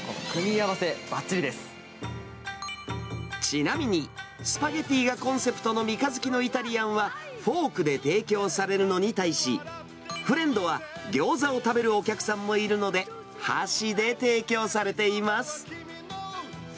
合ちなみに、スパゲティがコンセプトのみかづきのイタリアンはフォークで提供されるのに対し、フレンドはぎょうざを食べるお客さんもいるので、箸で提供されています。